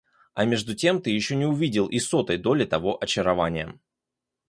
А между тем ты еще не увидел и сотой доли того очарования